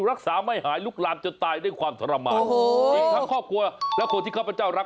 รักษาไม่หายลุกลามจนตายด้วยความทรมานโอ้โหอีกทั้งครอบครัวและคนที่ข้าพเจ้ารัก